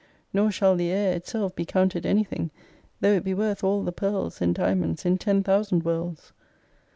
Nor shall the air itself be counted anything, though it be worth all the pearls and diamonds in ten thousand worlds.